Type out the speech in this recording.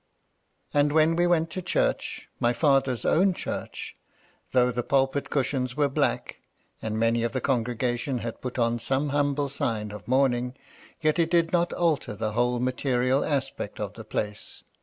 And when we went to church, — ^my father's own church, — though the pulpit cushions were black, and many of the congregation had put on some humble sign of mourning, yet it did not alter the whole material aspect of the place.